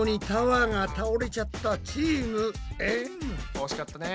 惜しかったね。